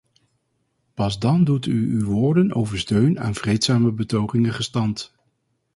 Pas dan doet u uw woorden over steun aan vreedzame betogingen gestand.